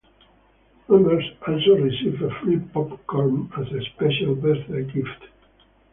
Members also receive a free popcorn as a special birthday gift.